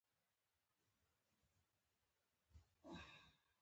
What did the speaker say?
د ټکنالوجۍ پرمختګ د انسان خلاقیت ته لاره هواروي.